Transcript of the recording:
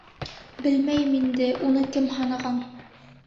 — Белмәйем инде, уны кем һанаған.